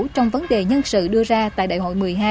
trong vấn đề nhân sự đưa ra tại đại hội một mươi hai